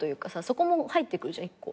そこも入ってくるじゃん。